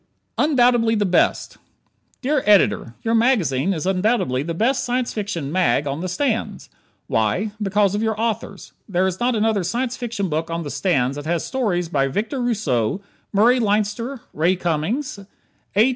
"Undoubtedly the Best" Dear Editor: Your magazine is undoubtedly the best Science Fiction "mag" on the stands. Why? Because of your authors. There is not another Science Fiction book on the stands that has stories by Victor Rousseau, Murray Leinster Ray Cummings, A.